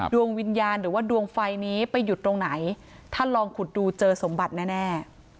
ดวงวิญญาณหรือว่าดวงไฟนี้ไปหยุดตรงไหนท่านลองขุดดูเจอสมบัติแน่